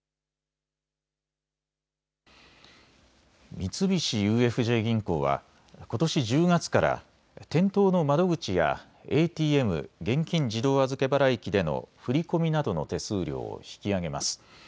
三菱ＵＦＪ銀行はことし１０月から店頭の窓口やＡＴＭ・現金自動預け払い機での振り込みなどの手数料を引き上げます。